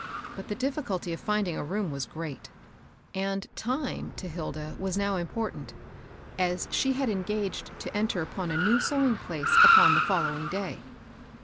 But the difficulty of find ing a room was great ; and time to Hilda was now important, as she had engaged to enter mpon a new sewing place upon the following day.